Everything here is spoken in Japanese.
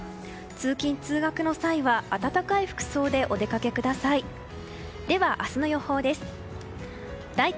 通勤・通学の際は暖かい服装でお出かけください。